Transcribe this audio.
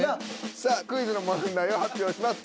さあクイズの問題を発表します。